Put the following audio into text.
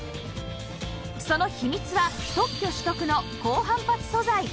その秘密は特許取得の高反発素材